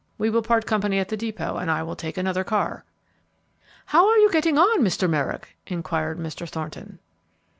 We will part company at the depot and I will take another car." "How are you getting on, Mr. Merrick?" inquired Mr. Thorton.